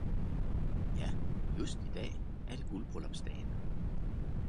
'Ja, just i dag er det guldbryllupsdagen!